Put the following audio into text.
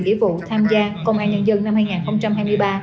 nghĩa vụ tham gia công an nhân dân năm hai nghìn hai mươi ba